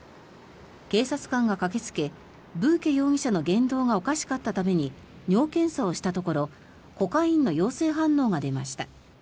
警察官が駆けつけブーケ容疑者の言動がおかしかったために尿検査をしたところコカインの陽性反応が出ました。